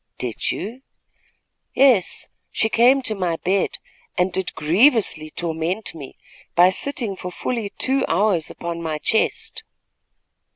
"Did you?" "Yes, she came to my bed and did grievously torment me, by sitting for fully two hours upon my chest."